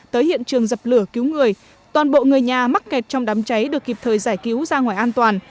tới hiện trường dập lửa cứu người toàn bộ người nhà mắc kẹt trong đám cháy được kịp thời giải cứu ra ngoài an toàn